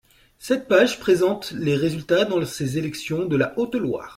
Cette page présente les résultats de ces élections dans la Haute-Loire.